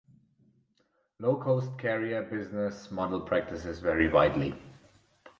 Low-cost carrier business model practices vary widely.